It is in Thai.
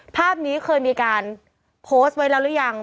ภาพนี้เคยมีการโพสต์ไว้แล้วหรือยัง